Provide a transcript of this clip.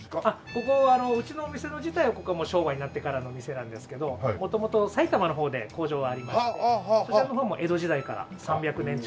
ここうちのお店自体は昭和になってからの店なんですけど元々埼玉の方で工場ありましてそちらの方はもう江戸時代から３００年近く。